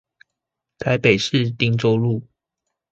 台北市汀州路